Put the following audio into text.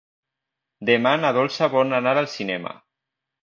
Demà na Dolça vol anar al cinema.